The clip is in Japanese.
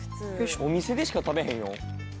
「お店でしか食べへんよ」